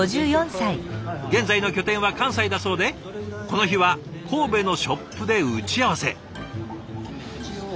現在の拠点は関西だそうでこの日は神戸のショップで打ち合わせ。